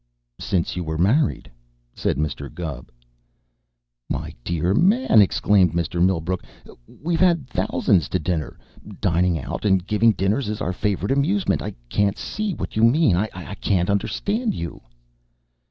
"Since you were married," said Mr. Gubb. "My dear man," exclaimed Mr. Millbrook, "we've had thousands to dinner! Dining out and giving dinners is our favorite amusement. I can't see what you mean. I can't understand you."